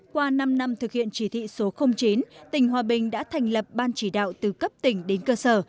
qua năm năm thực hiện chỉ thị số chín tỉnh hòa bình đã thành lập ban chỉ đạo từ cấp tỉnh đến cơ sở